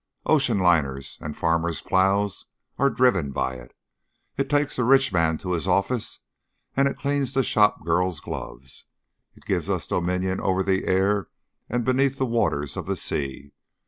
Ocean liners and farmers' plows are driven by it; it takes the rich man to his office and it cleans the shopgirl's gloves; it gives us dominion over the air and beneath the waters of the sea.